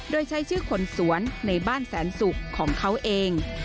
โดยใช้ชื่อขนสวนในบ้านแสนสุกของเขาเอง